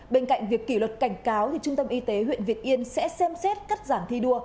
bên cạnh việc kỷ luật cảnh cáo trung tâm y tế huyện việt yên sẽ xem xét cắt giảm thi đua